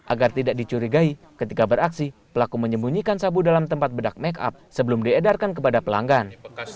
agar tidak dicurigai ketika beraksi pelaku menyembunyikan sabu dalam tempat bedak make up sebelum diedarkan kepada pelanggan